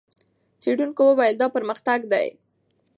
څېړونکو وویل، دا پرمختګ دی.